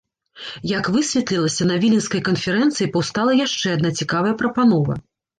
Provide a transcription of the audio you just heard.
Як высветлілася, на віленскай канферэнцыі паўстала яшчэ адна цікавая прапанова.